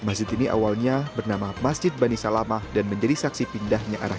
masjid ini wabarnya bernama masjid bani salama dan menjadi saksi kepada harrah yang parah